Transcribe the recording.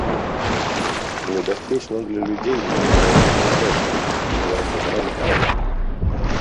Небяспечна для людзей, пераважна на ростанях, перакрыжаваннях дарог.